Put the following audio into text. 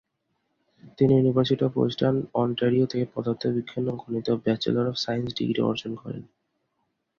তিনি University of Western Ontario থেকে পদার্থবিজ্ঞান ও গণিতে ব্যাচেলর অব সায়েন্স ডিগ্রি অর্জন করেন।